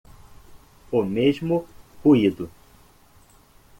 O mesmo ruído